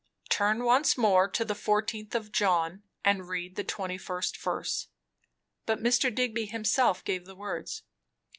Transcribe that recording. "Turn once more to the fourteenth of John and read the 21st verse." But Mr. Digby himself gave the words.